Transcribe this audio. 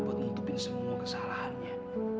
untuk mengutupin semua kesalahannya